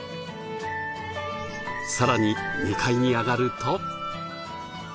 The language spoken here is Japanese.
さらに２階に上がると。